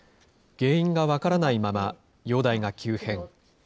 原因が分からないまま、容体が急変。